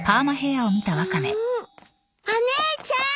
んお姉ちゃーん！